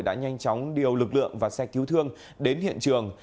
đã nhanh chóng điều lực lượng và xe cứu thương đến hiện trường